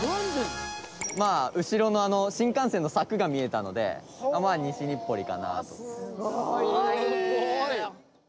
後ろの新幹線の柵が見えたので西日暮里かなと。